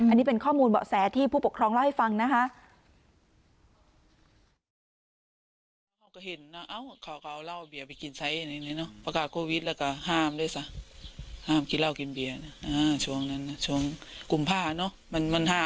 อันนี้เป็นข้อมูลเบาะแสที่ผู้ปกครองเล่าให้ฟังนะคะ